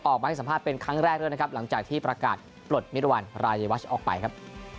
ออกมาให้สัมภาษณ์เป็นครั้งแรกด้วยนะครับหลังจากที่ประกาศปลดมิรวรรณรายวัชออกไปครับ